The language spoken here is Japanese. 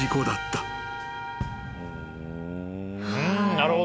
なるほど。